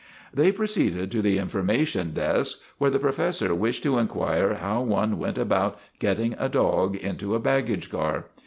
They proceeded to the information desk where the professor wished to inquire how one went about getting a dog into a baggage car.